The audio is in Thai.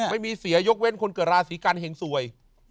ไม่มีเสียยกเว้นคนเกิดราศีกันแห่งสวย